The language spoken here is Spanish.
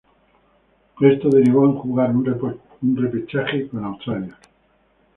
Esto derivó en jugar un repechaje con Australia.